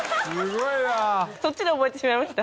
そっちで覚えてしまいました。